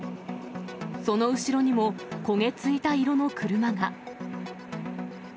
その後ろにも、焦げ付いた色の車が。